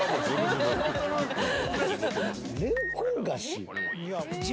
れんこん菓子？